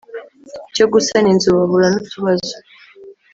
cyo gusana inzu bahura n’utubazo